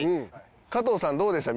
加藤さんどうでした？